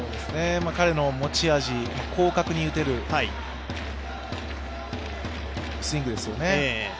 彼の持ち味、広角に打てるスイングですよね。